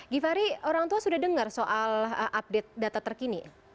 givhary orang tua sudah dengar soal update data terkini